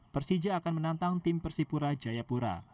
persija akan menantang tim persipura jayapura